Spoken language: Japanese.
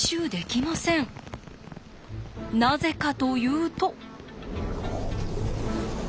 なぜかというと。